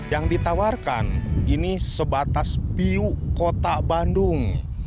yang ditawarkan ini sebatas piu kota bandung